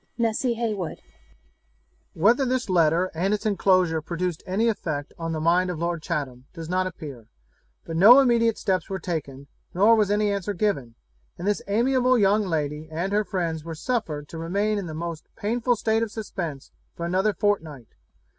NESSY HEYWOOD.' Whether this letter and its enclosure produced any effect on the mind of Lord Chatham does not appear; but no immediate steps were taken, nor was any answer given; and this amiable young lady and her friends were suffered to remain in the most painful state of suspense for another fortnight.